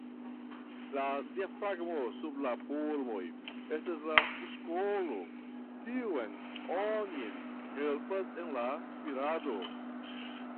La diafragmo sub la pulmoj estas la muskolo, kiu onin helpas en la spirado.